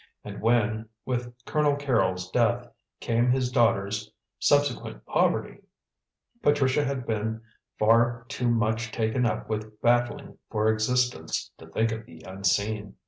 And when, with Colonel Carrol's death, came his daughter's subsequent poverty, Patricia had been far too much taken up with battling for existence to think of the Unseen.